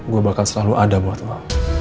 gue bakal selalu ada buat mah